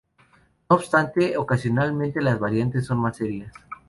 No obstante, ocasionalmente las variantes son más serias.